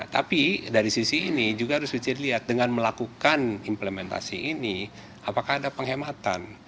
tapi dari sisi ini juga harus dilihat dengan melakukan implementasi ini apakah ada penghematan